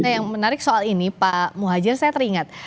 nah yang menarik soal ini pak muhajir saya teringat